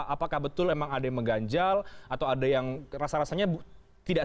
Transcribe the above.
apakah betul memang ada yang mengganjal atau ada yang rasa rasanya tidak